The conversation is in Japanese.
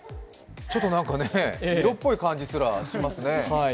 ちょっと色っぽい感じすらしますね。